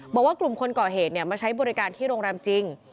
บอกว่ากลุ่มคนก่อเหตุมาใช้บริการที่โรงแรมจริง